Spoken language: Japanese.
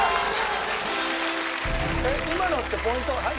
今のってポイント入る？